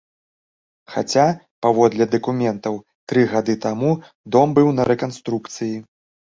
Хаця, паводле дакументаў, тры гады таму дом быў на рэканструкцыі.